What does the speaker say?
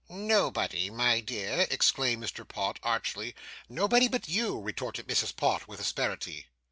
'Nobody, my dear!' exclaimed Mr. Pott archly. 'Nobody but you,' retorted Mrs. Pott, with asperity.